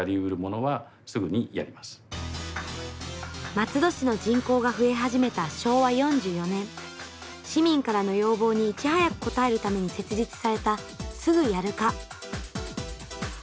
松戸市の人口が増え始めた昭和４４年市民からの要望にいち早く応えるために設立されたすぐやる課。